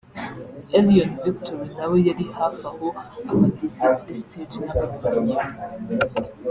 Elion Victory nawe yari hafi aho aba ageze kuri stage n’ababyinnyi be